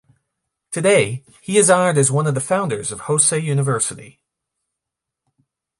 Today, he is honored as one of the founders of Hosei University.